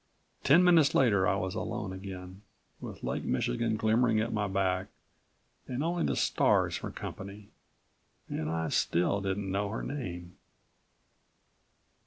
Ten minutes later I was alone again, with Lake Michigan glimmering at my back, and only the stars for company. And I still didn't know her name.